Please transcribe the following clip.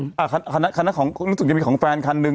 นี้เรียกว่าคิดว่ามีของแฟนคันหนึ่ง